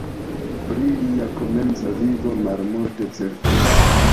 Pri lia komenca vivo malmulte certas.